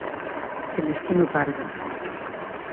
Celestino Pardo.